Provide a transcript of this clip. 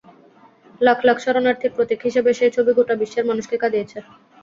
লাখ লাখ শরণার্থীর প্রতীক হিসেবে সেই ছবি গোটা বিশ্বের মানুষকে কাঁদিয়েছে।